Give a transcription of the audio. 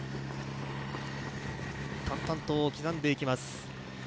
淡々と刻んでいきます。